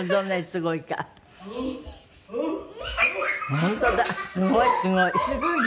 すごいすごい。